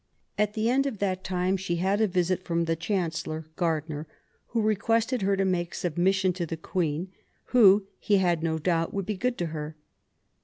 At the end of that time she had a visit from the Chancellor, Gardiner, who requested her to make submission to the Queen, who, he had no doubt, would be good to her.